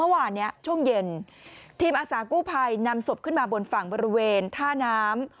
เมื่อวานนี้ช่วงเย็นทีมอาสากู้ภัยนำศพขึ้นมาบนฝั่งบริเวณท่าน้ำ